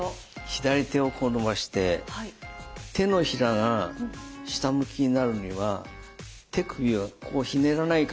左手をこう伸ばして手のひらが下向きになるには手首をこうひねらないかぎりできないですよね。